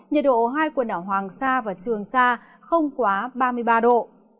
nhiệt độ hai quần đảo hoàng sa và trường sa không quá ba mươi ba độ